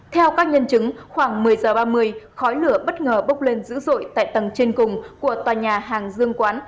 theo các nhân chứng khoảng một mươi h ba mươi khói lửa bất ngờ bốc lên dữ dội tại tầng trên cùng của tòa nhà hàng dương quán